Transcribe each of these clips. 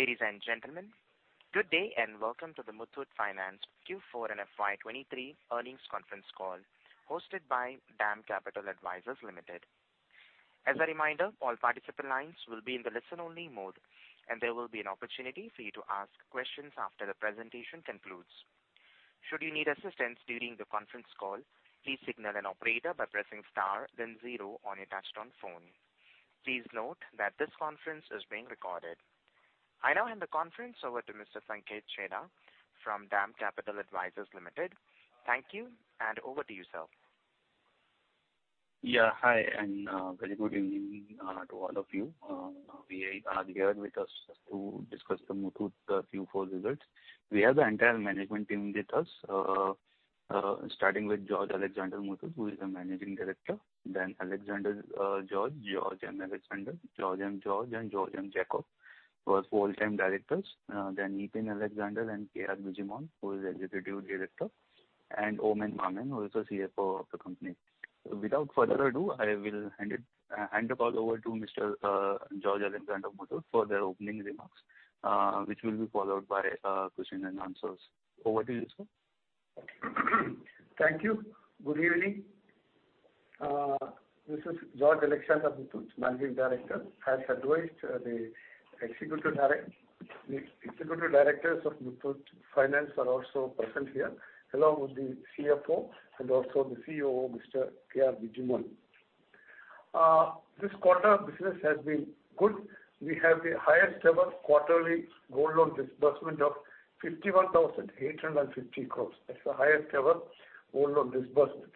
Ladies and gentlemen, good day, and welcome to the Muthoot Finance Q4 and FY 2023 earnings conference call hosted by DAM Capital Advisors Limited. As a reminder, all participant lines will be in the listen only mode, and there will be an opportunity for you to ask questions after the presentation concludes. Should you need assistance during the conference call, please signal an operator by pressing star then 0 on your touchtone phone. Please note that this conference is being recorded. I now hand the conference over to Mr. Sanket Chheda from DAM Capital Advisors Limited. Thank you, and over to you, sir. Yeah. Hi, and very good evening to all of you. We are here with us to discuss the Muthoot Q4 results. We have the entire management team with us, starting with George Alexander Muthoot who is the Managing Director. Then Alexander George Muthoot, George M. George, and George Jacob Muthoot, who are Whole-Time Directors. Then Eapen Alexander Muthoot and K.R. Bijimon, who is Executive Director, and Oommen Mammen, who is the CFO of the company. Without further ado, I will hand the call over to Mr. George Alexander Muthoot for their opening remarks, which will be followed by questions and answers. Over to you, sir. Thank you. Good evening. This is George Alexander Muthoot, Managing Director. As advised, the Executive Directors of Muthoot Finance are also present here, along with the CFO and also the CEO, Mr. K.R. Bijimon. This quarter business has been good. We have the highest ever quarterly gold loan disbursement of 51,850 crores. That's the highest ever gold loan disbursement.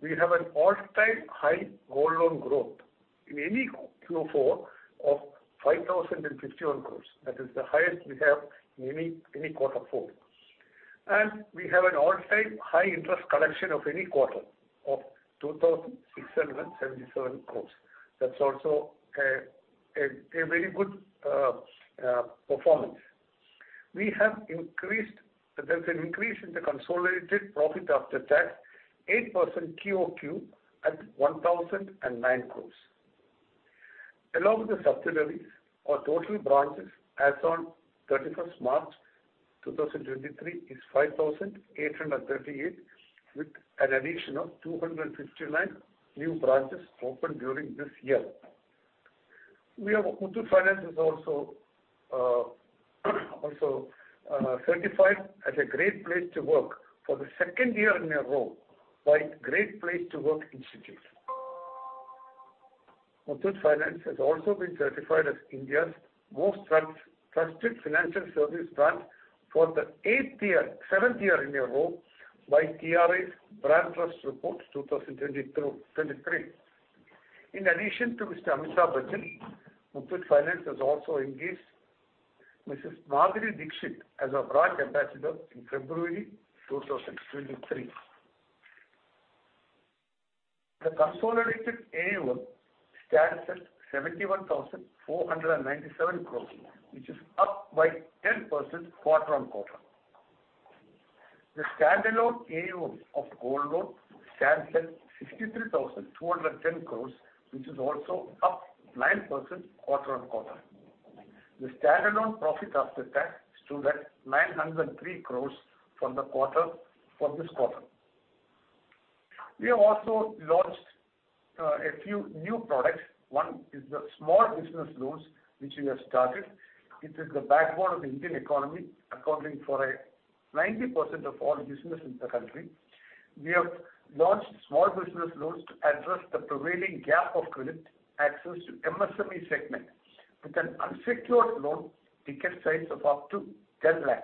We have an all-time high gold loan growth in any Q4 of 5,051 crores. That is the highest we have in any quarter four. We have an all-time high interest collection of any quarter of 2,677 crores. That's also a very good performance. There's an increase in the consolidated profit after tax, 8% QoQ at 1,009 crores. Along with the subsidiaries, our total branches as on 31st March 2023 is 5,838, with an addition of 259 new branches opened during this year. Muthoot Finance is also certified as a Great Place to Work for the second year in a row by Great Place to Work Institute. Muthoot Finance has also been certified as India's most trusted financial service brand for the eighth year, seventh year in a row by TRA's Brand Trust Report 2022, 2023. In addition to Mr. Amitabh Bachchan, Muthoot Finance has also engaged Mrs. Madhuri Dixit as our brand ambassador in February 2023. The consolidated AUM stands at 71,497 crores, which is up by 10% quarter-on-quarter. The standalone AUM of gold loan stands at 63,210 crores, which is also up 9% quarter-on-quarter. The standalone profit after tax stood at 903 crores from the quarter, for this quarter. We have also launched a few new products. One is the small business loans which we have started. It is the backbone of the Indian economy, accounting for 90% of all business in the country. We have launched small business loans to address the prevailing gap of credit access to MSME segment with an unsecured loan ticket size of up to 10 lakhs.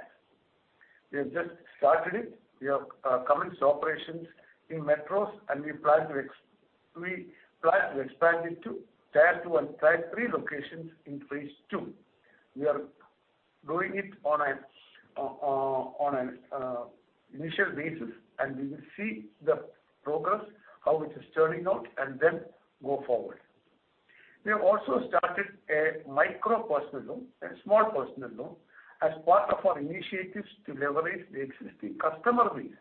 We have just started it. We have commenced operations in metros, and we plan to expand it to tier 2 and tier 3 locations in phase 2. We are doing it on an initial basis. We will see the progress, how it is turning out. Then go forward. We have also started a micro personal loan, a small personal loan, as part of our initiatives to leverage the existing customer base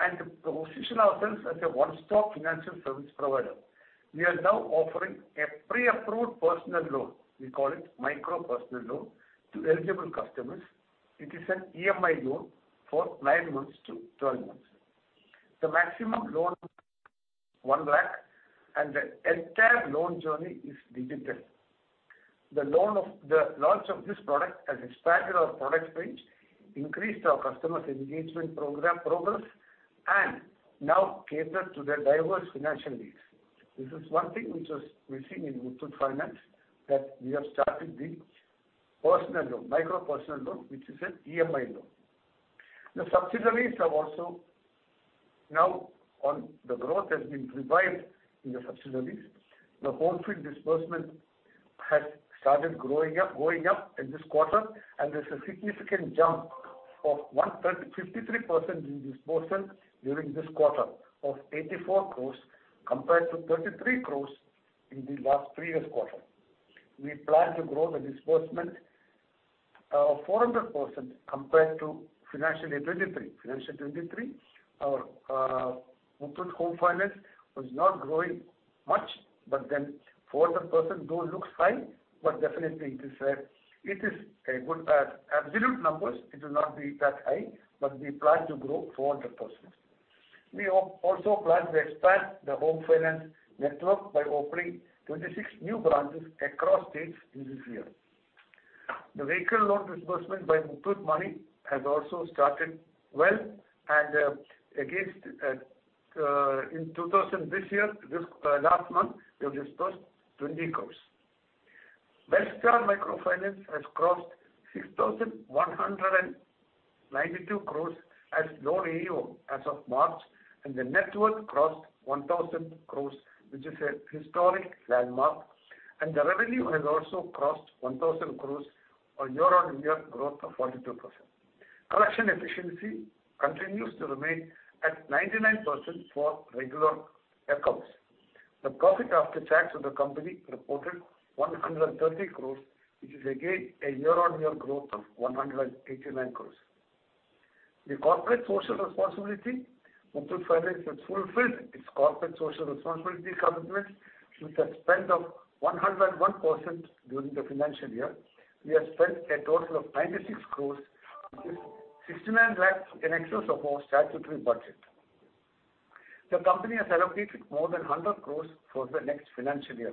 and to position ourselves as a one-stop financial service provider. We are now offering a pre-approved personal loan, we call it micro personal loan, to eligible customers. It is an EMI loan for 9 months to 12 months. The maximum loan, 1 lakh, and the entire loan journey is digital. The launch of this product has expanded our product range, increased our customers' engagement program, progress, and now cater to their diverse financial needs. This is one thing which was missing in Muthoot Finance, that we have started the personal loan, micro personal loan, which is an EMI loan. The subsidiaries have also now on the growth has been revived in the subsidiaries. The Homefin disbursement We also plan to expand the home finance network by opening 26 new branches across states in this year. The vehicle loan disbursement by Muthoot Money has also started well. Last month, we dispersed 20 crores. Belstar Microfinance has crossed 6,192 crores as loan AUM as of March, and the network crossed 1,000 crores, which is a historic landmark, and the revenue has also crossed 1,000 crores, a year-on-year growth of 42%. Collection efficiency continues to remain at 99% for regular accounts. The profit after tax of the company reported 130 crores, which is again a year-on-year growth of 189 crores. Muthoot Finance has fulfilled its corporate social responsibility commitment with a spend of 101% during the financial year. We have spent a total of 96.69 crores in excess of our statutory budget. The company has allocated more than 100 crores for the next financial year,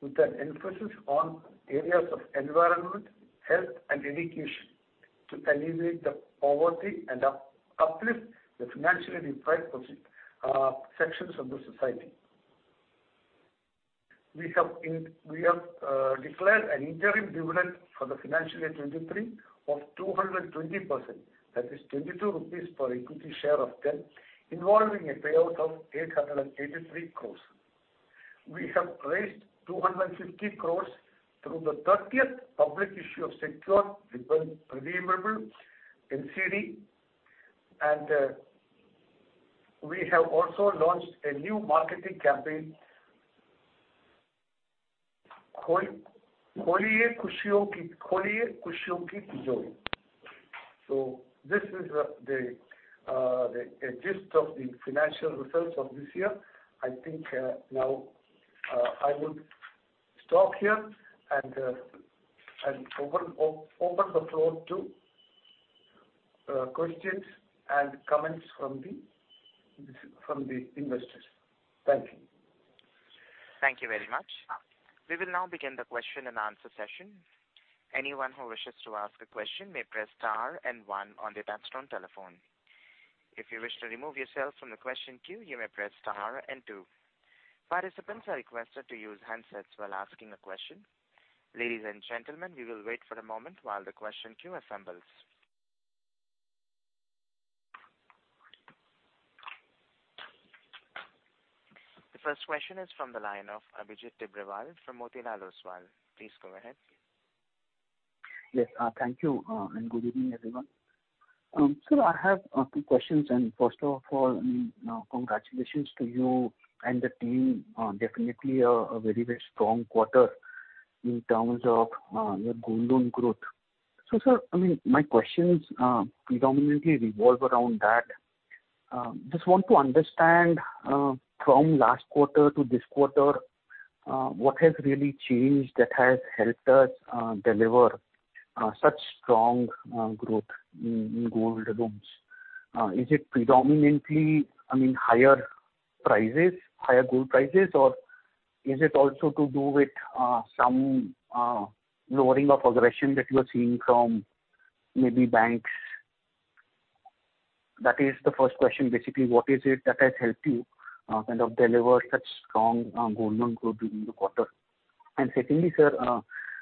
with an emphasis on areas of environment, health, and education to alleviate the poverty and uplift the financially deprived sections of the society. We have declared an interim dividend for the financial year 23 of 220%. That is 22 rupees per equity share of 10, involving a payout of 883 crores. We have raised 250 crores through the 30th public issue of secured, redeemable NCD. We have also launched a new marketing campaign, Kholiye Khushiyon Ki Tijori. This is the gist of the financial results of this year. I think now I will stop here and open the floor to questions and comments from the investors. Thank you. Thank you very much. We will now begin the question and answer session. Anyone who wishes to ask a question may press star and 1 on their touch-tone telephone. If you wish to remove yourself from the question queue, you may press star and 2. Participants are requested to use handsets while asking a question. Ladies and gentlemen, we will wait for a moment while the question queue assembles. The first question is from the line of Abhijit Tibrewal from Motilal Oswal. Please go ahead. Yes. Thank you, and good evening, everyone. Sir, I have two questions, and first of all, congratulations to you and the team on definitely a very, very strong quarter in terms of your gold loan growth. Sir, I mean, my questions predominantly revolve around that. Just want to understand from last quarter to this quarter, what has really changed that has helped us deliver such strong growth in gold loans? Is it predominantly, I mean, higher prices, higher gold prices, or is it also to do with some lowering of aggression that you are seeing from maybe banks? That is the first question. Basically, what is it that has helped you kind of deliver such strong gold loan growth during the quarter? Secondly, sir,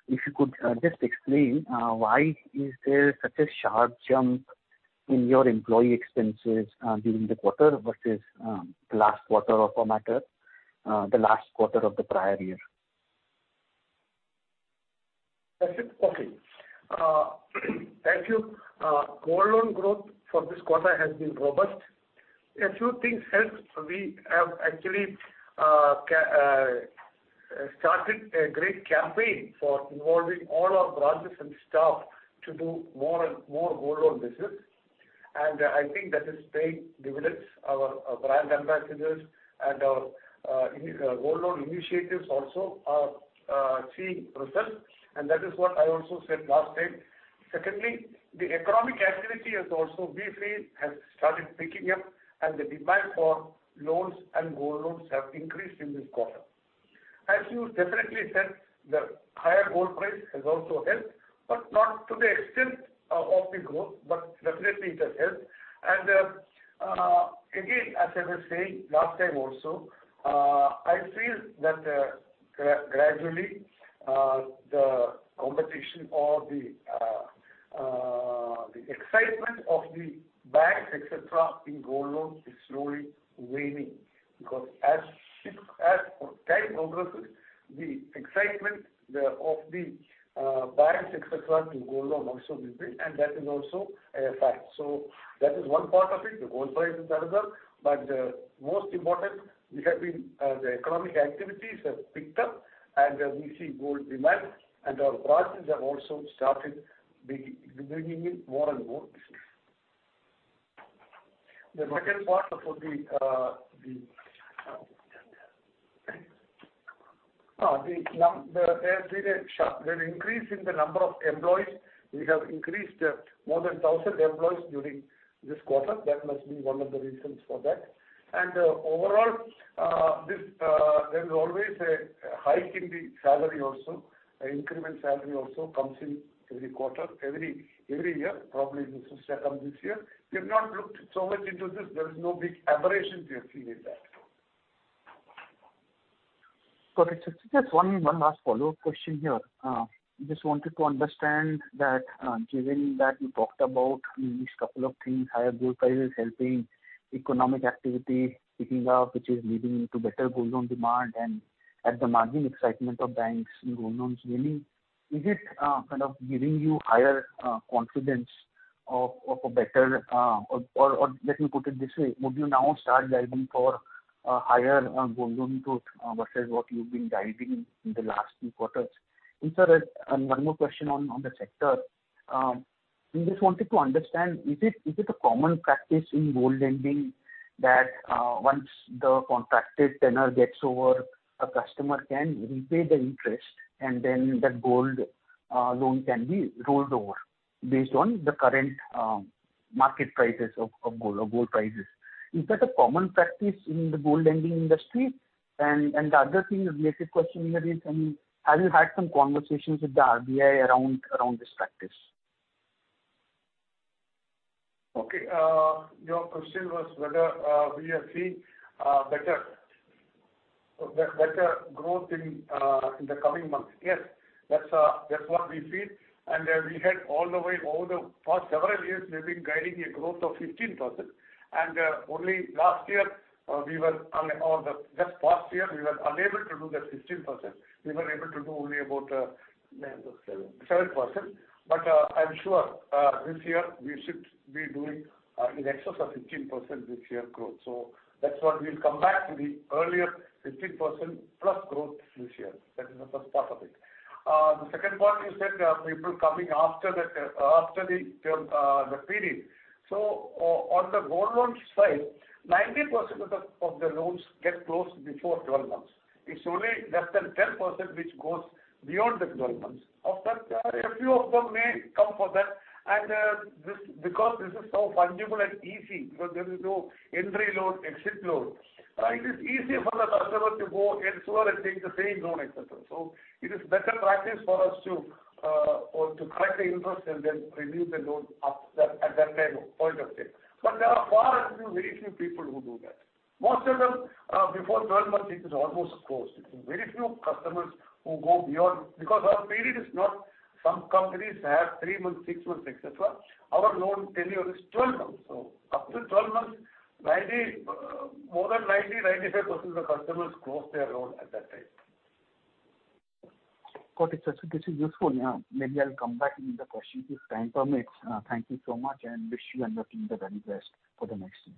if you could just explain why is there such a sharp jump in your employee expenses during the quarter versus the last quarter or for matter, the last quarter of the prior year? That's it. Okay. Thank you. gold loan growth for this quarter has been robust. A few things helped. We have actually started a great campaign for involving all our branches and staff to do more and more gold loan business, and I think that is paying dividends. Our brand ambassadors and our gold loan initiatives also are seeing results, and that is what I also said last time. Secondly, the economic activity has also briefly has started picking up, and the demand for loans and gold loans have increased in this quarter. As you definitely said, the higher gold price has also helped, but not to the extent of the growth, but definitely it has helped. Again, as I was saying last time also, I feel that gradually, the competition or the excitement of the banks, et cetera, in gold loans is slowly waning because as time progresses, the excitement of the banks et cetera to gold loan also will be and that is also a fact. That is one part of it. The gold price is another. Most important, we have been, the economic activities have picked up and we see gold demand and our branches have also started bringing in more and more business. The second part about the number, there's been a sharp increase in the number of employees. We have increased more than 1,000 employees during this quarter. That must be one of the reasons for that. Overall, this, there is always a hike in the salary also. Increment salary also comes in every quarter, every year, probably this has come this year. We have not looked so much into this. There is no big aberration we have seen in that. Got it. Just one last follow-up question here. Just wanted to understand that, given that you talked about these two things, higher gold price is helping economic activity picking up, which is leading to better gold loan demand and at the margin excitement of banks in gold loans really. Is it kind of giving you higher confidence of a better, or let me put it this way. Would you now start guiding for a higher gold loan growth versus what you've been guiding in the last few quarters? Sir, one more question on the sector. We just wanted to understand, is it a common practice in gold lending that once the contracted tenure gets over, a customer can repay the interest and then that gold loan can be rolled over based on the current market prices of gold or gold prices? Is that a common practice in the gold lending industry? The other thing, a related question here is, have you had some conversations with the RBI around this practice? Okay. Your question was whether we are seeing better growth in the coming months. Yes, that's what we feel. We had all the way over for several years we've been guiding a growth of 15%. Only last year, we were unable to do that 15%. We were able to do only about 7%. I'm sure this year we should be doing in excess of 15% this year growth. That's what we'll come back to the earlier 15%-plus growth this year. That is the first part of it. The second part you said, people coming after the term, the period. On the gold loan side, 90% of the loans get closed before 12 months. It's only less than 10% which goes beyond the 12 months. Of that, a few of them may come for that. This, because this is so fungible and easy because there is no entry load, exit load, it is easier for the customer to go elsewhere and take the same loan et cetera. It is better practice for us to collect the interest and then renew the loan up that at that time point of time. There are far and few, very few people who do that. Most of them, before 12 months it is almost closed. Very few customers who go beyond because our period is not some companies have 3 months, 6 months, et cetera. Our loan tenure is 12 months. Up to 12 months, 95% of the customers close their loan at that time. Got it, sir. This is useful. Yeah. Maybe I'll come back with the question if time permits. Thank you so much and wish you and your team the very best for the next year.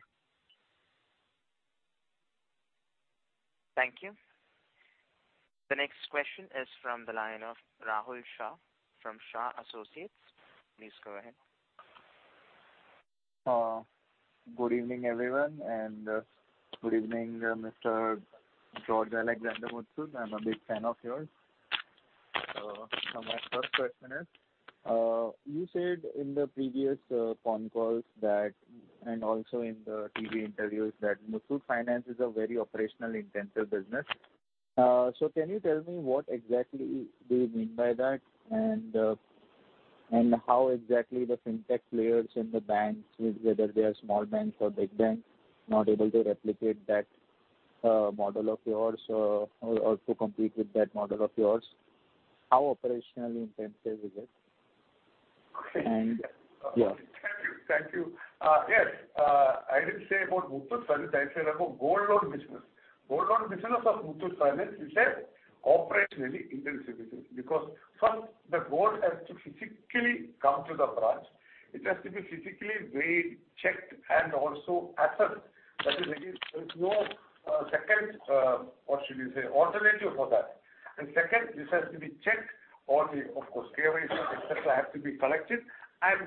Thank you. The next question is from the line of Rahul Shah from Shah Associates. Please go ahead. Good evening, everyone, and good evening, Mr. George Alexander Muthoot. I'm a big fan of yours. My first question is, you said in the previous conf calls that and also in the TV interviews that Muthoot Finance is a very operational intensive business. Can you tell me what exactly do you mean by that? How exactly the fintech players and the banks, whether they are small banks or big banks, not able to replicate that model of yours, or to compete with that model of yours? How operationally intensive is it? And, yeah. Thank you. Thank you. Yes, I didn't say about Muthoot Finance, I said about gold loan business. Gold loan business of Muthoot Finance is a operationally intensive business because first the gold has to physically come to the branch. It has to be physically weighed, checked, and also assessed. That is, there is no second, what should you say, alternative for that. Second, this has to be checked or the, of course, KYCs, et cetera, have to be collected.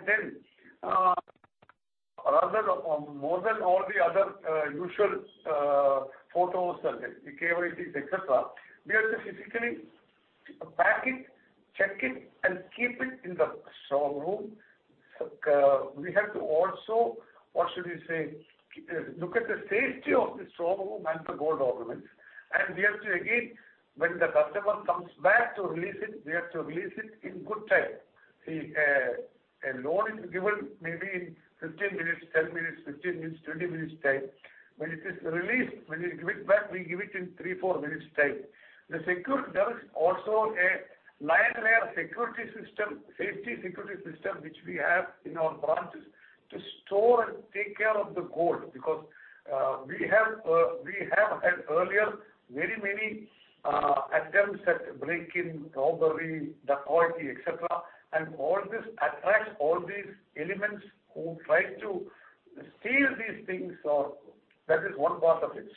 Then, rather or more than all the other usual photos and the KYCs, et cetera, we have to physically pack it, check it, and keep it in the strong room. We have to also, what should we say, look at the safety of the strong room and the gold ornaments. We have to again, when the customer comes back to release it, we have to release it in good time. A loan is given maybe in 15 minutes, 10 minutes, 15 minutes, 20 minutes time. When it is released, when we give it back, we give it in three, four minutes time. There is also a lionware security system, safety security system, which we have in our branches to store and take care of the gold. We have, we have had earlier very many, attempts at break-in, robbery, dacoity, et cetera. All this attracts all these elements who try to steal these things or that is one part of it.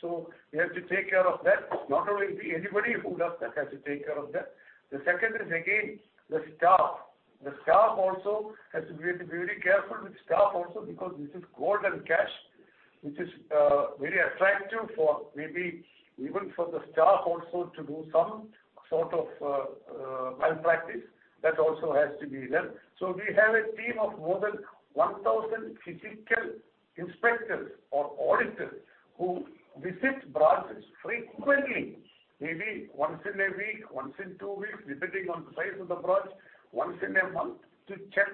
We have to take care of that. Not only we, anybody who does that has to take care of that. The second is again, the staff. The staff also has to be very careful with staff also because this is gold and cash, which is very attractive for maybe even for the staff also to do some sort of malpractice. That also has to be there. So we have a team of more than 1,000 physical inspectors or auditors who visit branches frequently, maybe once in a week, once in two weeks, depending on the size of the branch, once in a month, to check,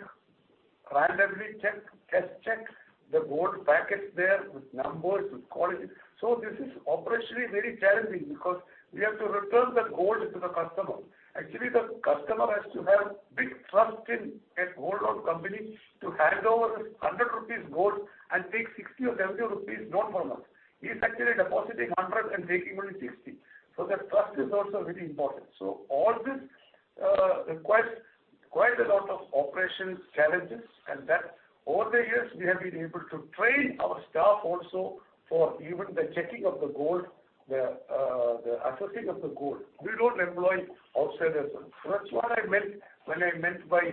randomly check, test check the gold packets there with numbers, with quality. So this is operationally very challenging because we have to return the gold to the customer. Actually, the customer has to have big trust in a gold loan company to hand over his 100 rupees gold and take 60 or 70 rupees loan from us. He's actually depositing 100 and taking only 60. The trust is also very important. All this requires quite a lot of operations challenges, and that over the years we have been able to train our staff also for even the checking of the gold, the assessing of the gold. We don't employ outsiders. That's what I meant when I meant by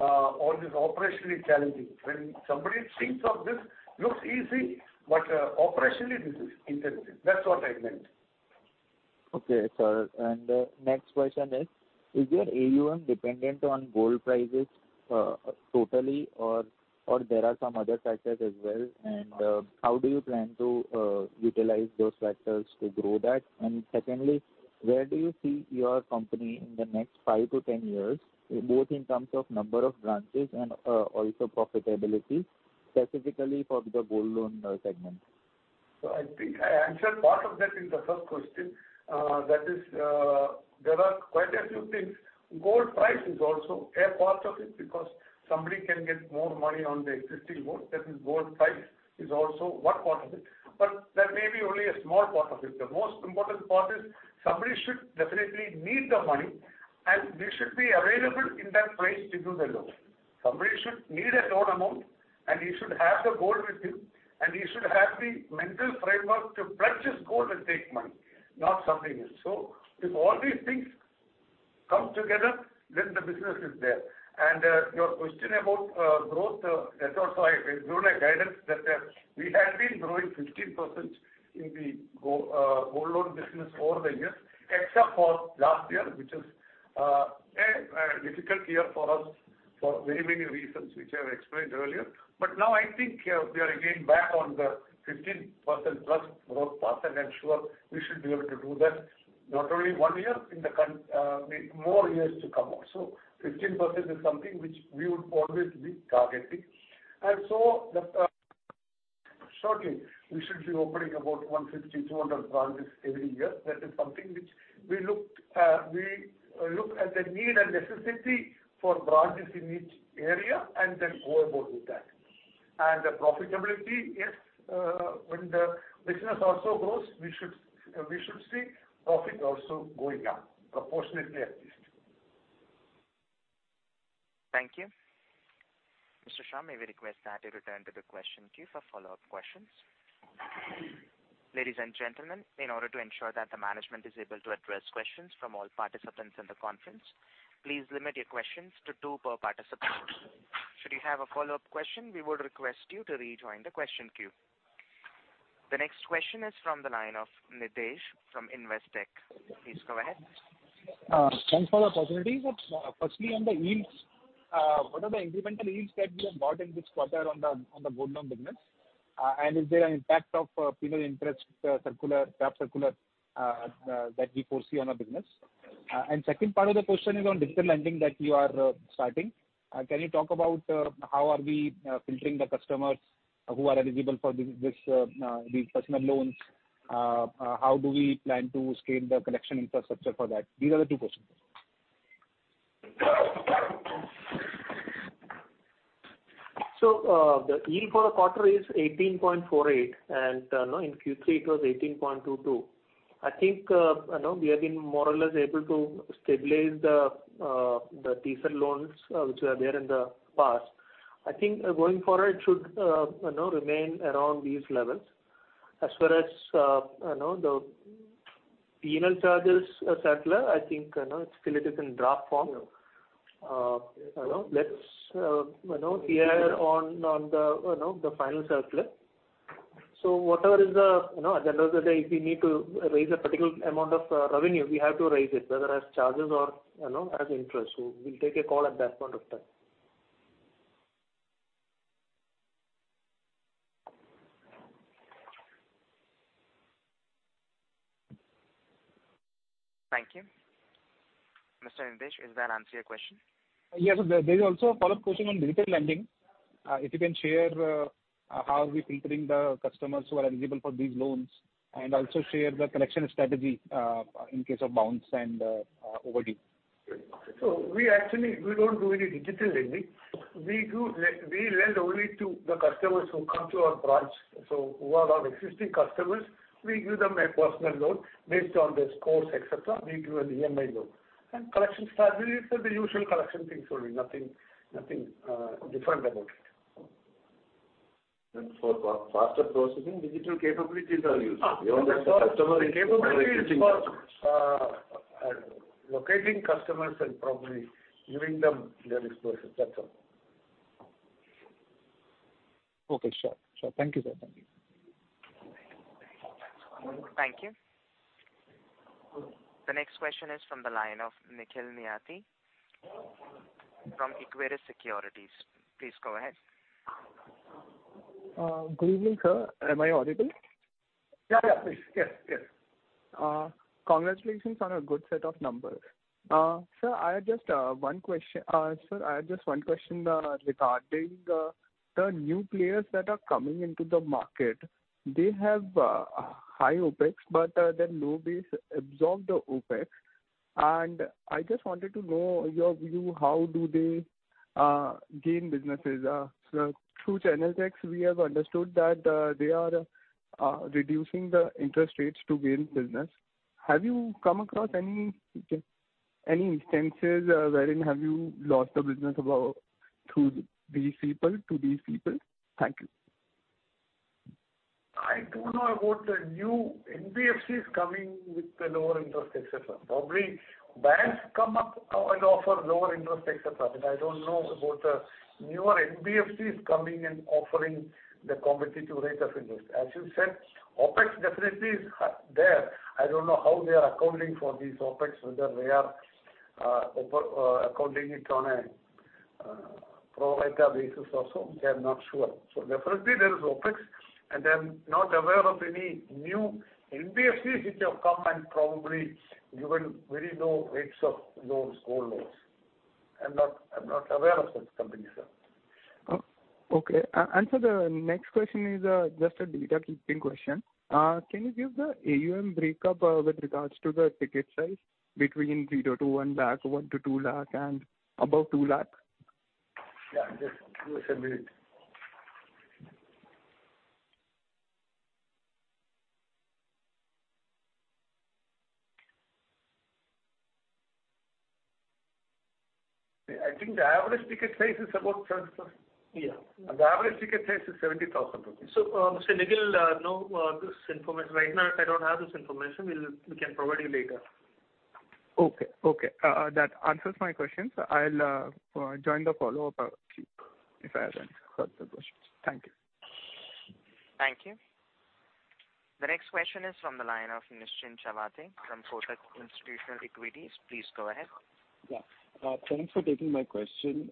all this operationally challenging. When somebody thinks of this, looks easy, but operationally this is intensive. That's what I meant. Okay, sir. Next question is your AUM dependent on gold prices, totally or there are some other factors as well? How do you plan to utilize those factors to grow that? Secondly, where do you see your company in the next 5-10 years, both in terms of number of branches and also profitability, specifically for the gold loan segment? I think I answered part of that in the first question. That is, there are quite a few things. Gold price is also a part of it because somebody can get more money on the existing gold. That is gold price is also one part of it, but that may be only a small part of it. The most important part is somebody should definitely need the money and we should be available in that place to do the loan. Somebody should need a loan amount and he should have the gold with him and he should have the mental framework to pledge his gold and take money, not something else. If all these things come together, then the business is there. Your question about growth, that also I gave you a guidance that we have been growing 15% in the gold loan business over the years, except for last year, which is a difficult year for us for many, many reasons, which I've explained earlier. Now I think we are again back on the 15%-plus growth path, and I'm sure we should be able to do that not only one year, in more years to come also. 15% is something which we would always be targeting. Shortly we should be opening about 150-200 branches every year. That is something which we look at the need and necessity for branches in each area and then go about with that. The profitability, yes, when the business also grows, we should see profit also going up proportionately at least. Thank you. Mr. Shah, may we request that you return to the question queue for follow-up questions. Ladies and gentlemen, in order to ensure that the management is able to address questions from all participants in the conference, please limit your questions to two per participant. Should you have a follow-up question, we would request you to rejoin the question queue. The next question is from the line of Nidhesh Jain from Investec. Please go ahead. Thanks for the opportunity. Firstly on the yields, what are the incremental yields that you have got in this quarter on the gold loan business? Is there an impact of penal interest circular, draft circular, that we foresee on our business? Second part of the question is on digital lending that you are starting. Can you talk about how are we filtering the customers who are eligible for this, these personal loans? How do we plan to scale the collection infrastructure for that? These are the two questions. The yield for the quarter is 18.48%. No, in Q3 it was 18.22. I think, you know, we have been more or less able to stabilize the teaser loans, which were there in the past. I think going forward it should, you know, remain around these levels. As far as, you know, the penal charges circular, I think, you know, still it is in draft form. You know, let's, you know, hear on the, you know, the final circular. Whatever is the, you know, at the end of the day if we need to raise a particular amount of revenue, we have to raise it whether as charges or, you know, as interest. We'll take a call at that point of time. Thank you. Mr. Nidhesh, does that answer your question? Yes. There is also a follow-up question on digital lending. If you can share, how are we filtering the customers who are eligible for these loans, and also share the collection strategy, in case of bounce and overdue. We actually, we don't do any digital lending. We lend only to the customers who come to our branch. Who are our existing customers, we give them a personal loan based on their scores, et cetera. We give an EMI loan. Collection strategy is the usual collection things only. Nothing different about it. For faster processing, digital capabilities are used. that's for- Beyond the customer Capability is for locating customers and probably giving them their exposures, that's all. Okay, sure. Sure. Thank you, sir. Thank you. Thank you. The next question is from the line of Nikhil Niyati from Equirus Securities. Please go ahead. Good evening, sir. Am I audible? Yeah. Please. Yes. Congratulations on a good set of numbers. Sir, I have just one question regarding the new players that are coming into the market. They have high opex, but the low base absorb the opex. I just wanted to know your view, how do they gain businesses? Through channel checks, we have understood that they are reducing the interest rates to gain business. Have you come across any instances wherein have you lost the business about through these people, to these people? Thank you. I don't know about the new NBFCs coming with the lower interest, et cetera. Probably banks come up and offer lower interest, et cetera. I don't know about the newer NBFCs coming and offering the competitive rate of interest. As you said, opex definitely is there. I don't know how they are accounting for these opex, whether they are accounting it on a pro rata basis or so, I'm not sure. Definitely there is opex, and I'm not aware of any new NBFCs which have come and probably given very low rates of loans, core loans. I'm not aware of such companies, sir. Okay. The next question is, just a data keeping question. Can you give the AUM breakup, with regards to the ticket size between 0-INR 1 lakh, 1 lakh-2 lakh and above 2 lakh? Yeah. Just give us a minute. I think the average ticket size is about 7-plus. Yeah. The average ticket size is 70,000 rupees. Nikhil, no, this information right now, I don't have this information. We can provide you later. Okay. Okay. That answers my questions. I'll join the follow-up, if I have any further questions. Thank you. Thank you. The next question is from the line of Nischint Chawathe from Kotak Institutional Equities. Please go ahead. Yeah. Thanks for taking my question.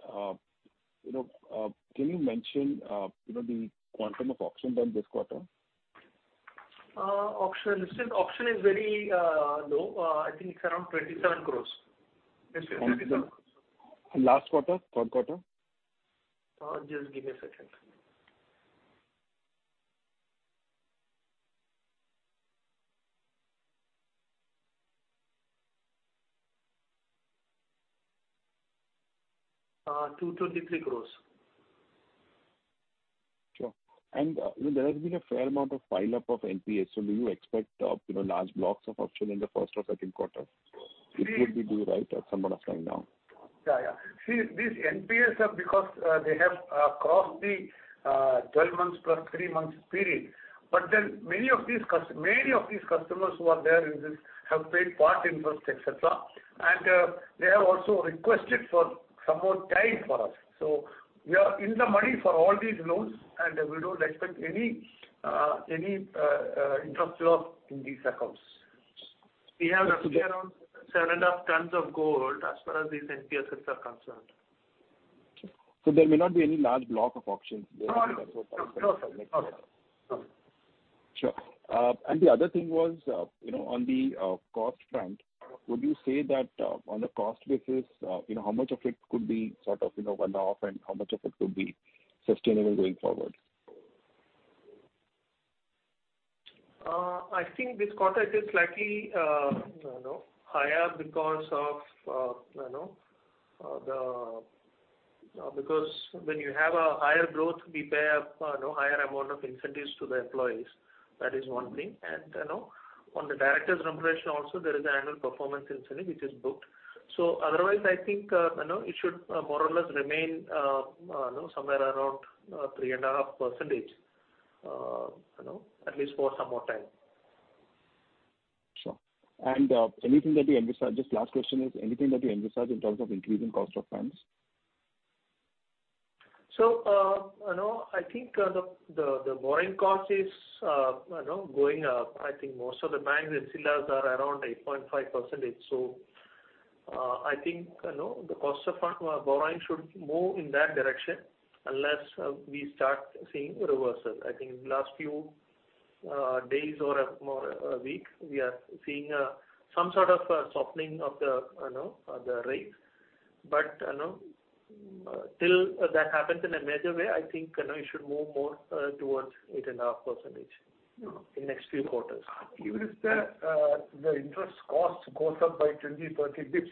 You know, can you mention, you know, the quantum of auction done this quarter? Auction. Nischint, auction is very low. I think it's around 27 crores. Last quarter, third quarter. Just give me a second. 2 crores-3 crores. Sure. There has been a fair amount of pileup of NPAs. Do you expect, you know, large blocks of auction in the first or second quarter? It would be due right at some point of time now. Yeah, yeah. See, these NPAs are because they have crossed the 12 months-plus-three months period. Many of these customers who are there in this have paid part interest, et cetera. They have also requested for some more time for us. We are in the money for all these loans, and we don't expect any interest drop in these accounts. We have around 7.5 tons of gold as far as these NPA sets are concerned. There may not be any large block of auctions there. No. No. No. Sure. The other thing was, you know, on the cost front, would you say that, on the cost basis, you know, how much of it could be sort of, you know, one-off, and how much of it could be sustainable going forward? I think this quarter is slightly, you know, higher because of, you know, because when you have a higher growth, we pay, you know, higher amount of incentives to the employees. That is one thing. You know, on the director's remuneration also, there is annual performance incentive which is booked. Otherwise, I think, you know, it should more or less remain, you know, somewhere around 3.5%, you know, at least for some more time. Sure. Anything that you emphasize? Just last question is, anything that you emphasize in terms of increasing cost of funds? You know, I think, the borrowing cost is, you know, going up. I think most of the banks and CLAs are around 8.5%. I think, you know, the cost of fund, borrowing should move in that direction unless, we start seeing reversal. I think in the last few, days or a more, week, we are seeing, some sort of a softening of the, you know, the rates. You know, till, that happens in a major way, I think, you know, it should move more, towards 8.5%, you know, in next few quarters. Even if the interest cost goes up by 20, 30 basis points,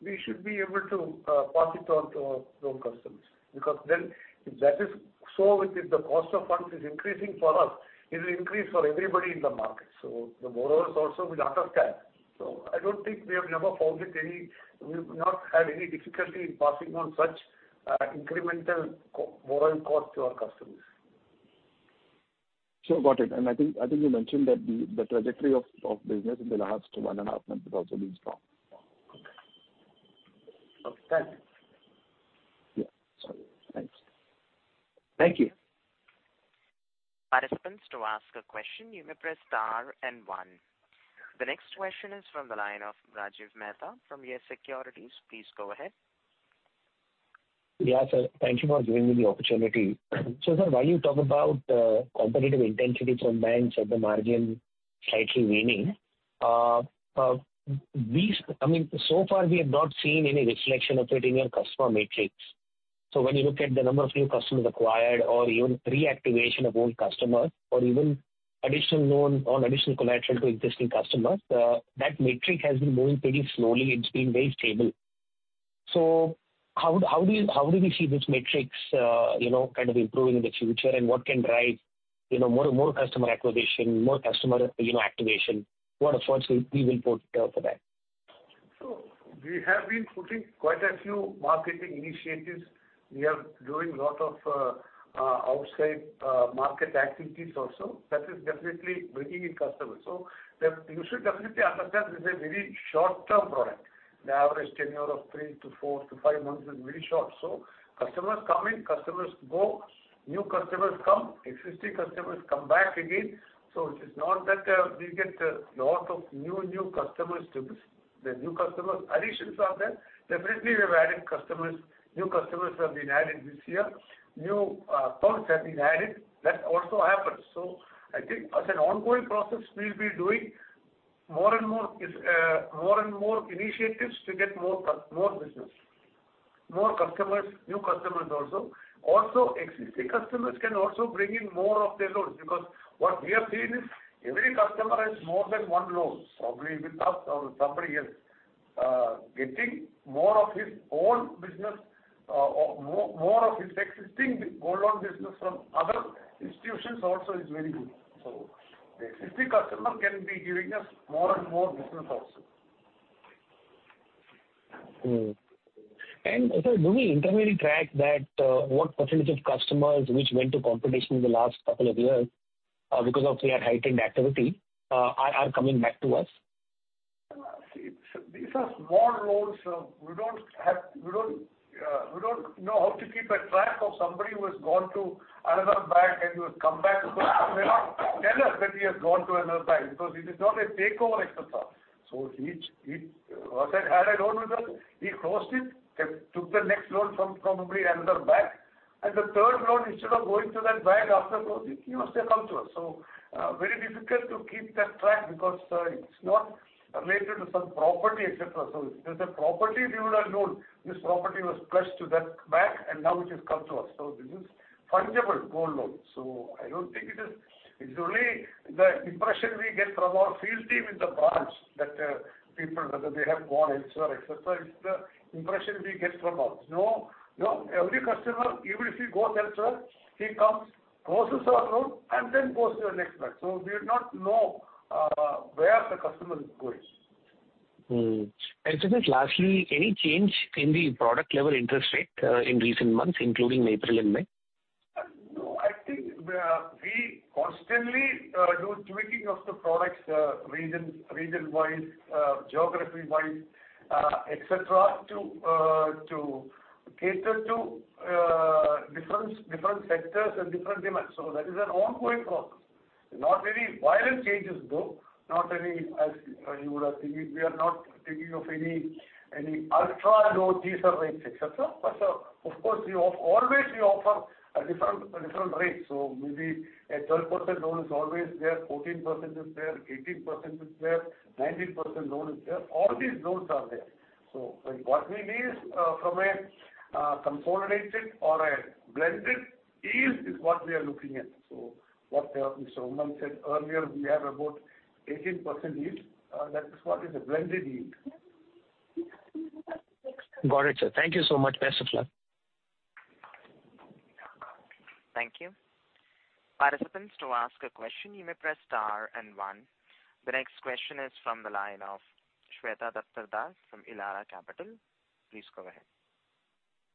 we should be able to pass it on to our loan customers, because then if that is so, if the cost of funds is increasing for us, it will increase for everybody in the market. The borrowers also will understand. I don't think we have never found it. We've not had any difficulty in passing on such incremental co- borrowing cost to our customers. Sure. Got it. I think you mentioned that the trajectory of business in the last one and a half months has also been strong. Okay. Yeah. Sorry. Thanks. Thank you. Participants to ask a question, you may press star and 1. The next question is from the line of Rajiv Mehta from Yes Securities. Please go ahead. Yeah, sir. Thank you for giving me the opportunity. Sir, while you talk about competitive intensity from banks and the margin slightly waning, I mean, so far we have not seen any reflection of it in your customer matrix. When you look at the number of new customers acquired or even reactivation of old customers or even additional loan on additional collateral to existing customers, that metric has been moving pretty slowly. It's been very stable. How do we see these metrics, you know, kind of improving in the future? What can drive, you know, more customer acquisition, more customer, you know, activation? What efforts we will put for that? We have been putting quite a few marketing initiatives. We are doing lot of outside market activities also. That is definitely bringing in customers. You should definitely understand this is a very short-term product. The average tenure of three to four to five months is very short. Customers come in, customers go, new customers come, existing customers come back again. It is not that we get lot of new customers to this. The new customers, additions are there. Definitely, we have added customers. New customers have been added this year. New loans have been added. That also happens. I think as an ongoing process, we'll be doing more and more initiatives to get more business, more customers, new customers also. Existing customers can also bring in more of their loans because what we have seen is every customer has more than one loan, probably with us or with somebody else. Getting more of his own business or more of his existing gold loan business from other institutions also is very good. The existing customer can be giving us more and more business also. Sir, do we internally track that, what percentage of customers which went to competition in the last couple of years, because of their heightened activity, are coming back to us? See, these are small loans. We don't have, we don't know how to keep a track of somebody who has gone to another bank and who has come back because he may not tell us that he has gone to another bank because it is not a takeover exercise. He had a loan with us, he closed it and took the next loan from probably another bank. The third loan, instead of going to that bank after closing, he must have come to us. Very difficult to keep that track because it's not related to some property, et cetera. If there's a property-secured loan, this property was pledged to that bank and now it has come to us. This is fungible gold loan. I don't think it is... It's only the impression we get from our field team in the branch that people, whether they have gone elsewhere, et cetera. It's the impression we get from us. No, every customer, even if he goes elsewhere, he comes, closes our loan and then goes to the next bank. We do not know where the customer is going. Sir just lastly, any change in the product level interest rate in recent months, including April and May? No, I think, we constantly do tweaking of the products region-wise, geography-wise, et cetera, to cater to different sectors and different demands. That is an ongoing process. Not any violent changes, though. Not any, as you would have seen, we are not thinking of any ultra low G-Sec rates, et cetera. Of course, we always offer a different rate. Maybe a 12% loan is always there, 14% is there, 18% is there, 19% loan is there. All these loans are there. What we need is from a consolidated or a blended yield is what we are looking at. What Mr. Oommen said earlier, we have about 18% yield. That is what is a blended yield. Got it, sir. Thank you so much. Best of luck. Thank you. Participants to ask a question, you may press star and 1. The next question is from the line of Shweta Daptardar from Elara Capital. Please go ahead.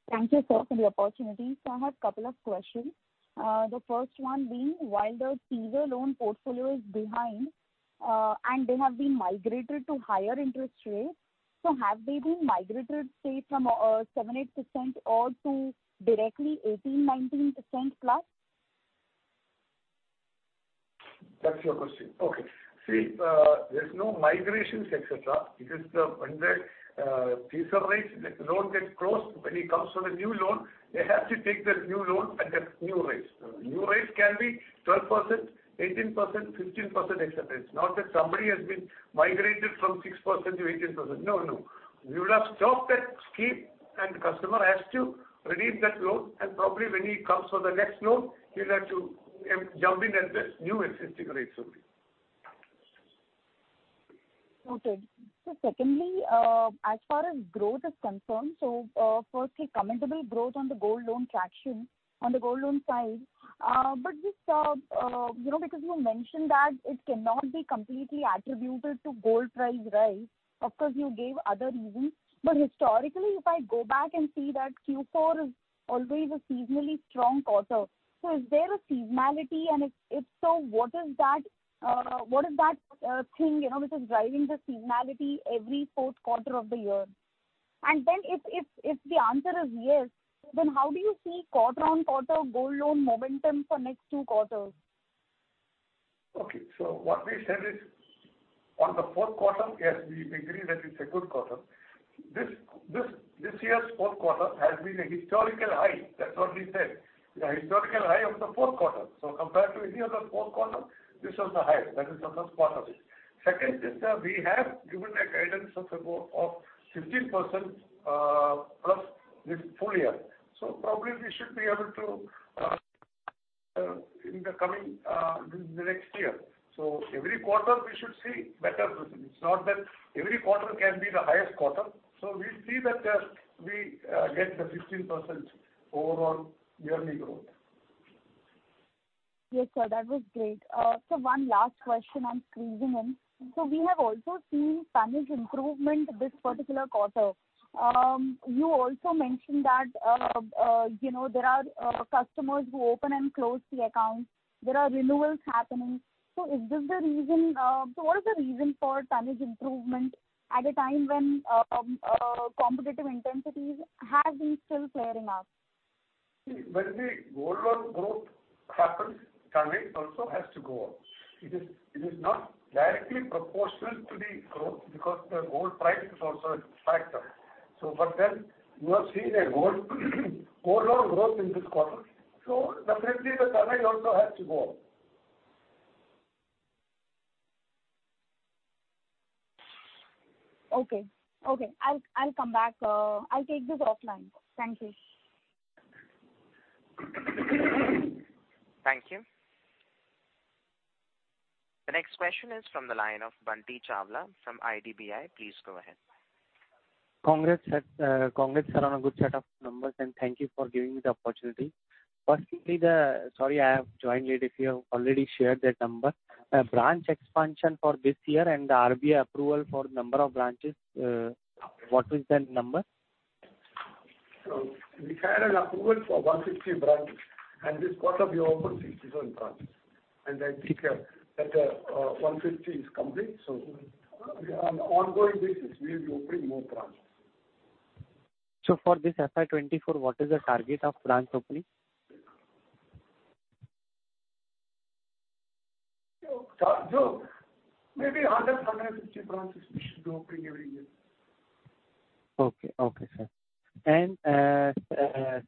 Thank you, sir, for the opportunity. I have couple of questions. The first one being, while the teaser loan portfolio is behind, and they have been migrated to higher interest rates, have they been migrated, say, from 7%-8% or to directly 18%-19%-plus? That's your question. Okay. See, there's no migrations, et cetera, because when the teaser rates loan gets closed, when he comes for the new loan, they have to take that new loan at the new rates. New rates can be 12%, 18%, 15%, et cetera. It's not that somebody has been migrated from 6% to 18%. No, no. We would have stopped that scheme and customer has to redeem that loan. Probably when he comes for the next loan, he'll have to jump in at the new existing rates only. Noted. Secondly, as far as growth is concerned, firstly commendable growth on the gold loan traction on the gold loan side. Just, you know, because you mentioned that it cannot be completely attributed to gold price rise. Of course, you gave other reasons. Historically, if I go back and see that Q4 is always a seasonally strong quarter, is there a seasonality? If so, what is that, what is that thing, you know, which is driving the seasonality every fourth quarter of the year? Then if the answer is yes, then how do you see quarter on quarter gold loan momentum for next two quarters? Okay. What we said is on the fourth quarter, yes, we agree that it's a good quarter. This year's fourth quarter has been a historical high. That's what we said. The historical high of the fourth quarter. Compared to any other fourth quarter, this was the highest. That is the first part of it. Second is that we have given a guidance of about 15%-plus this full year. Probably we should be able to in the coming in the next year. Every quarter we should see better results. It's not that every quarter can be the highest quarter. We see that we get the 15% overall yearly growth. Yes, sir. That was great. One last question I'm squeezing in. We have also seen tonnage improvement this particular quarter. You also mentioned that, you know, there are customers who open and close the accounts. There are renewals happening. Is this the reason? What is the reason for tonnage improvement at a time when competitive intensities have been still flaring up? When the gold loan growth happens, tonnage also has to go up. It is not directly proportional to the growth because the gold price is also a factor. You have seen a gold loan growth in this quarter, definitely the tonnage also has to go up. Okay. Okay. I'll come back. I'll take this offline. Thank you. Thank you. The next question is from the line of Bunty Chawla from IDBI. Please go ahead. Congrats, sir. Congrats on a good set of numbers. Thank you for giving me the opportunity. Firstly, Sorry, I have joined late. If you have already shared that number. Branch expansion for this year and the RBI approval for number of branches, what is that number? We had an approval for 150 branches, this quarter we opened 67 branches. I think that 150 is complete, so on ongoing business we will be opening more branches. For this FY 2024, what is the target of branch opening? Maybe 150 branches we should be opening every year. Okay. Okay, sir.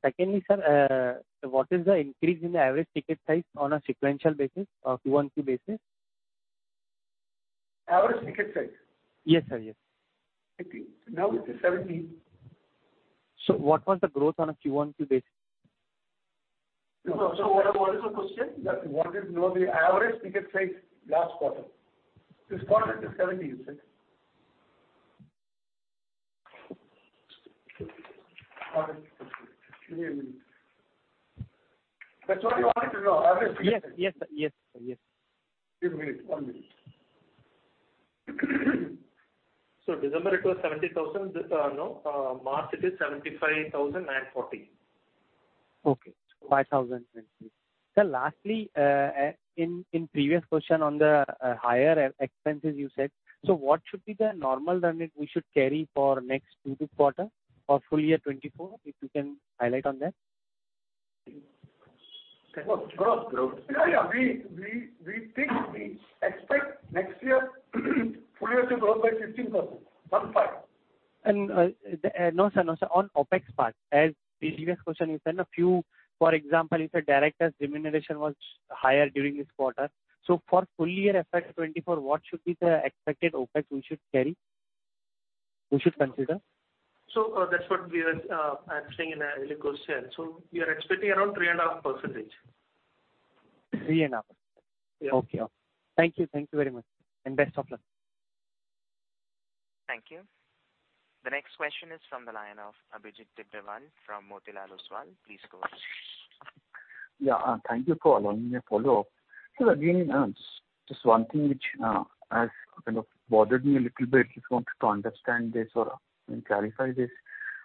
Secondly, sir, what is the increase in the average ticket size on a sequential basis, QoQ basis? Average ticket size? Yes, sir. Yes. I think now it is 70. What was the growth on a QoQ basis? What is the question? What is now the average ticket size last quarter? This quarter it is 70, you said. That's what you wanted to know, average ticket size. Yes. Yes, sir. Yes, sir. Yes. Give me one minute. December it was 70,000. This, no, March it is 75,940. Okay. 5,000. Sir, lastly, in previous question on the higher expenses you said. What should be the normal run rate we should carry for next two quarters or full year 2024, if you can highlight on that? Yeah, yeah. We think we expect next year full year to grow by 15%, 15. No, sir. On opex part, as the previous question you said. For example, if a director's remuneration was higher during this quarter. For full year financial year 2024, what should be the expected opex we should carry, we should consider? That's what we are answering in the earlier question. We are expecting around 3.5%. 3,5%. Yeah. Okay. Thank you. Thank you very much, and best of luck. Thank you. The next question is from the line of Abhijit Tibrewal from Motilal Oswal. Please go ahead. Yeah. Thank you for allowing me a follow-up. Again, just one thing which has kind of bothered me a little bit. Just wanted to understand this or clarify this.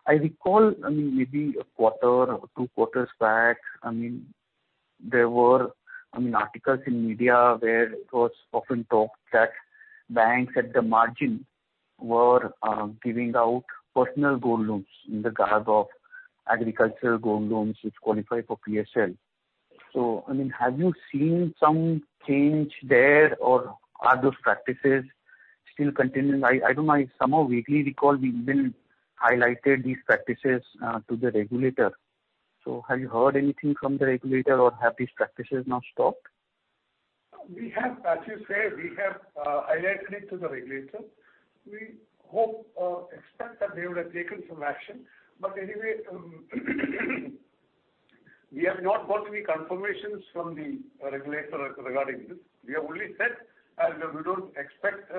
I recall, I mean maybe a quarter or two quarters back, I mean, there were, I mean, articles in media where it was often talked that banks at the margin were giving out personal gold loans in the guise of agricultural gold loans which qualify for PSL. I mean, have you seen some change there or are those practices still continuing? I don't know. I somehow vaguely recall we even highlighted these practices to the regulator. Have you heard anything from the regulator or have these practices now stopped? We have, as you said, we have highlighted it to the regulator. We hope or expect that they would have taken some action. Anyway, we have not got any confirmations from the regulator regarding this. We have only said, we don't expect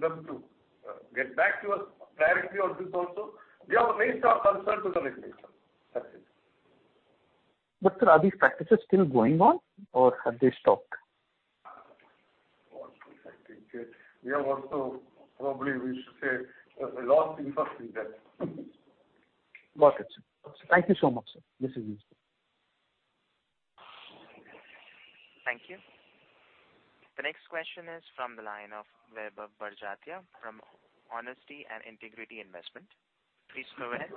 them to get back to us directly on this also. We have raised our concern to the regulator. That's it. Sir, are these practices still going on or have they stopped? I think we have also probably we should say lost interest in that. Got it. Thank you so much, sir. This is useful. Thank you. The next question is from the line of Vaibhav Badjatya from Honesty and Integrity Investment. Please go ahead.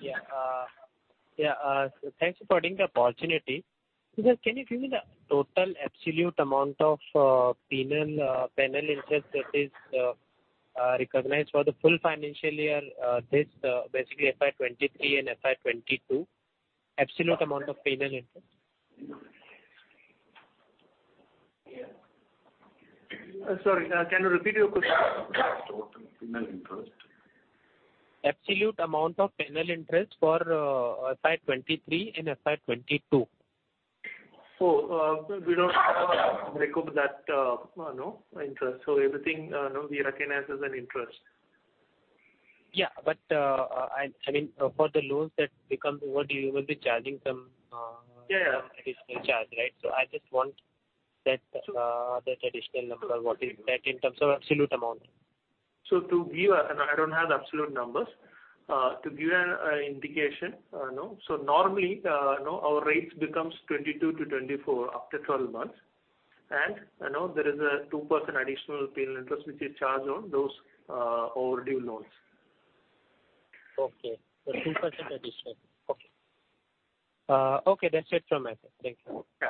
Yeah. Thanks for giving the opportunity. Sir, can you give me the total absolute amount of penal interest that is recognized for the full financial year, this basically financial year 2023 and financial year 2022? Absolute amount of penal interest. Yeah. Sorry. Can you repeat your question? Total penal interest. Absolute amount of penal interest for financial year 2023 and financial year 2022. We don't record that, no interest. Everything, no, we recognize as an interest. Yeah, I mean, for the loans that become overdue, you will be charging some... Yeah, yeah. additional charge, right? I just want that additional number. What is that in terms of absolute amount? I don't have absolute numbers. To give an indication, you know. Normally, you know, our rates becomes 22% to 24% after 12 months. You know, there is a 2% additional penal interest which is charged on those overdue loans. Okay. 2% additional. Okay. Okay. That's it from my side. Thank you. Yeah.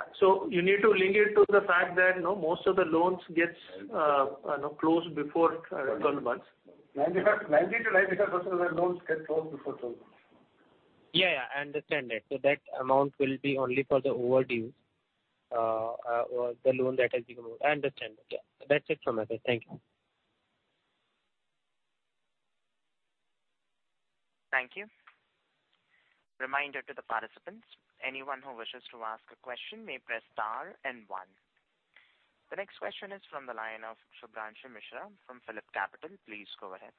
You need to link it to the fact that, you know, most of the loans gets, you know, closed before 12 months. 90%-95% of the loans get closed before 12 months. Yeah, I understand that. That amount will be only for the overdue. I understand that, yeah. That's it from my side. Thank you. Thank you. Reminder to the participants, anyone who wishes to ask a question may press star and 1. The next question is from the line of Subhranshu Mishra from PhillipCapital. Please go ahead.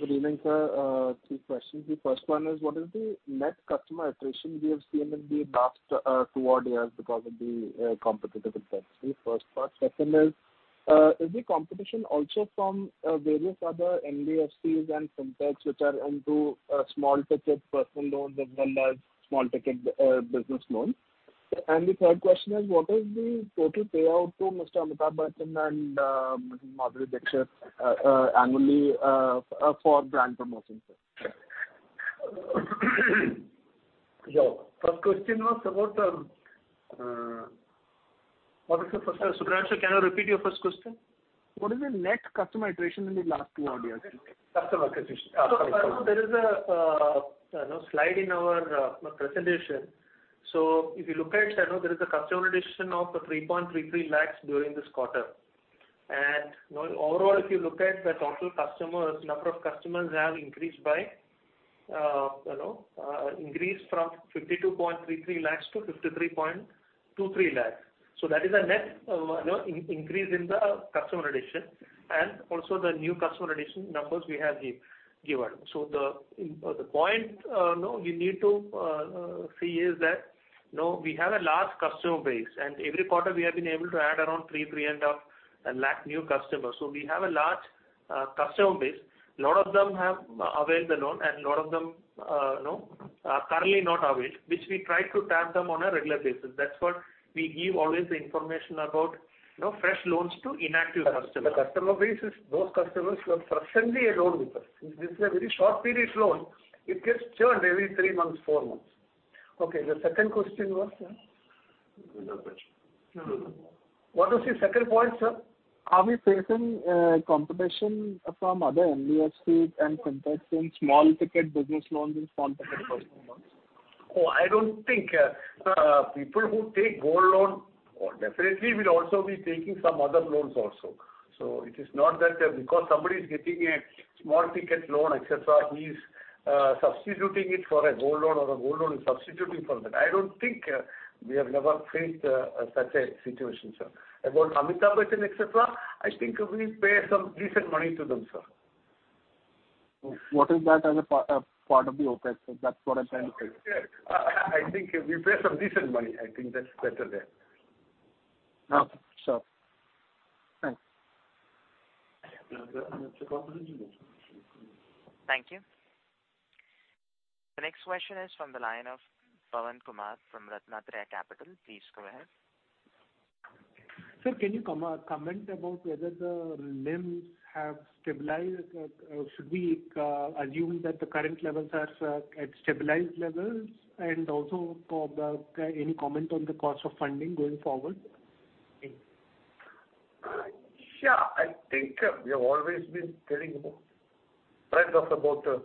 Good evening, sir. Two questions. The first one is, what is the net customer attrition we have seen in the last two odd years because of the competitive intensity? First part. Second is the competition also from various other NBFCs and fintechs which are into small ticket personal loans as well as small ticket business loans? The third question is, what is the total INR payout to Mr. Amitabh Bachchan and Madhuri Dixit annually for brand promotion, sir? First question was about. What was the first? Subhanshu, can you repeat your first question? What is the net customer attrition in the last two odd years? Customer acquisition. There is a, you know, slide in our presentation. If you look at that, you know, there is a customer addition of 3.33 lakh during this quarter. Overall, if you look at the total customers, number of customers have increased by, you know, increased from 52.33 lakh to 53.23 lakh. That is a net, you know, increase in the customer addition, and also the new customer addition numbers we have given. The point, you know, we need to see is that, you know, we have a large customer base, and every quarter we have been able to add around 3.5 lakh new customers. We have a large customer base. Lot of them have availed the loan and lot of them, you know, are currently not availed, which we try to tap them on a regular basis. That's what we give always the information about, you know, fresh loans to inactive customers. The customer base is those customers who are presently alone with us. This is a very short period loan. It gets churned every three months, four months. Okay. The second question was, sir? Another question. What was the second point, sir? Are we facing competition from other NBFCs and FinTechs in small ticket business loans and small ticket personal loans? I don't think people who take gold loan or definitely will also be taking some other loans also. It is not that because somebody is getting a small ticket loan, et cetera, he's substituting it for a gold loan or a gold loan is substituting for that. I don't think we have never faced such a situation, sir. About Amitabh Bachchan, et cetera, I think we pay some decent money to them, sir. What is that as a part of the opex? That's what I'm trying to say. Sure. I think we pay some decent money. I think that's better there. Okay. Sure. Thanks. Any other questions you want to ask? Thank you. The next question is from the line of Pavan Kumar from RatnaTraya Capital. Please go ahead. Sir, can you comment about whether the NIMs have stabilized? Should we assume that the current levels are at stabilized levels? Also for the any comment on the cost of funding going forward? Yeah, I think, we have always been telling about spread of about 10%.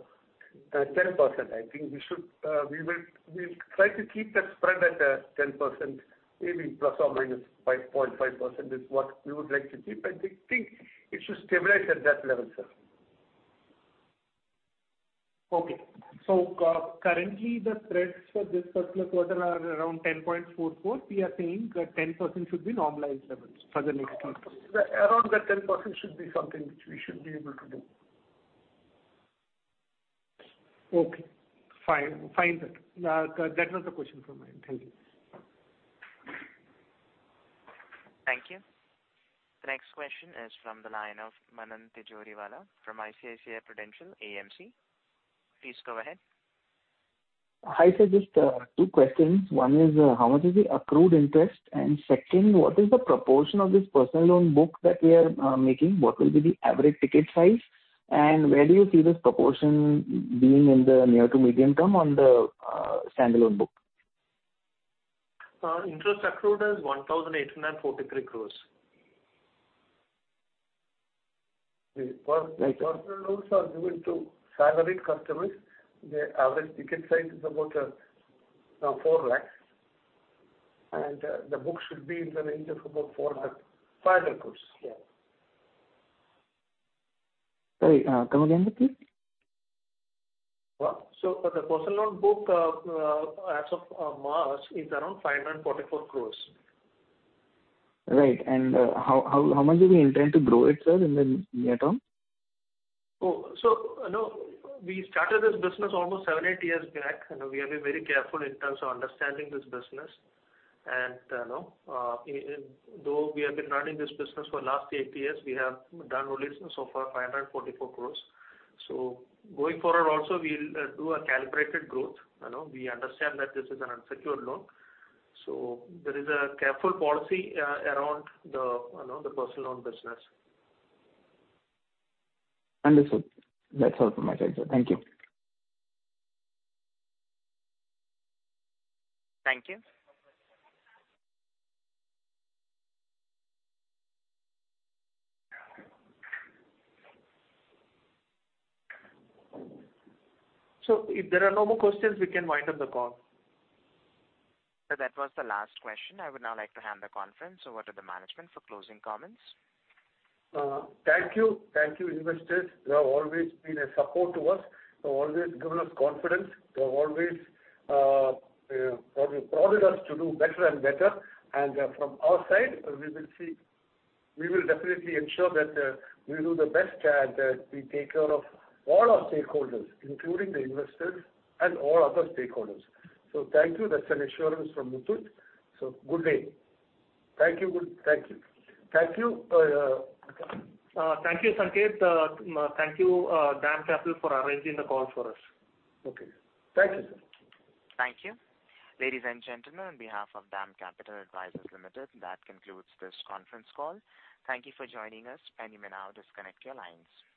I think we should, we will, we'll try to keep that spread at 10%, maybe plus or minus 5.5% is what we would like to keep. I think it should stabilize at that level, sir. Okay. currently the spreads for this particular quarter are around 10.44%. We are saying that 10% should be normalized levels for the next quarter. Around that 10% should be something which we should be able to do. Okay. Fine. Fine, sir. that was the question from my end. Thank you. Thank you. The next question is from the line of Manan Tijoriwala from ICICI Prudential AMC. Please go ahead. Hi, sir, just two questions. One is, how much is the accrued interest? Second, what is the proportion of this personal loan book that we are making? What will be the average ticket size, and where do you see this proportion being in the near to medium term on the standalone book? Interest accrued is INR 1,843 crores. Right. The personal loans are given to salaried customers. The average ticket size is about, now 4 lakhs. The book should be in the range of about 400 carores-INR 500 crores. Yeah. Sorry, come again, please. The personal loan book, as of March is around 544 crores. Right. how much do we intend to grow it, sir, in the near term? No, we started this business almost seven, eight years back. We have been very careful in terms of understanding this business. You know, in though we have been running this business for last eight years, we have done only so far 544 crores. Going forward also we'll do a calibrated growth. You know, we understand that this is an unsecured loan. There is a careful policy around the, you know, the personal loan business. Understood. That's all from my side, sir. Thank you. Thank you. If there are no more questions, we can wind up the call. That was the last question. I would now like to hand the conference over to the management for closing comments. Thank you. Thank you, investors. You have always been a support to us. You have always given us confidence. You have always prodded us to do better and better. From our side, we will definitely ensure that we do the best and we take care of all our stakeholders, including the investors and all other stakeholders. Thank you. That's an assurance from Muthoot. Good day. Thank you. Good. Thank you. Thank you. Thank you, Sanket. Thank you, DAM Capital for arranging the call for us. Okay. Thank you, sir. Thank you. Ladies and gentlemen, on behalf of DAM Capital Advisors Limited, that concludes this conference call. Thank you for joining us, and you may now disconnect your lines.